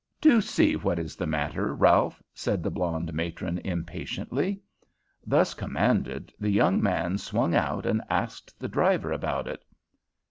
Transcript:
"Do see what is the matter, Ralph," said the blonde matron impatiently. Thus commanded, the young man swung out and asked the driver about it.